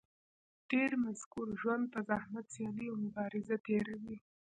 ډېری مذکر ژوند په زحمت سیالي او مبازره تېروي.